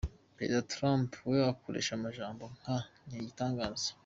Perezida Trump wewe akoresha amajambo nka 'ni Igitangaza'.